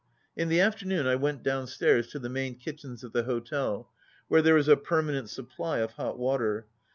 In the afternoon I went downstairs to the main kitchens of the hotel, where there is a permanent supply of hot water.